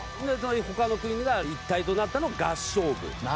他の国が一体となったのを合従軍。